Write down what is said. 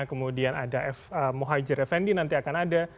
kemudian ada muhajir effendi nanti akan ada